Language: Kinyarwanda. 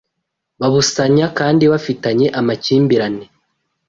babusanya kandi bafitanye amakimbirane